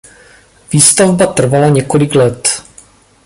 Výstavba trvala několik let.